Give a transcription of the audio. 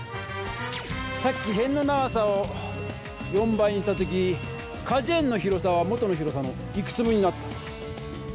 さっきへんの長さを４倍にした時かじゅ園の広さは元の広さのいくつ分になった？